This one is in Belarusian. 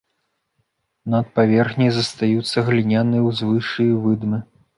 Над паверхняй застаюцца гліняныя ўзвышшы і выдмы.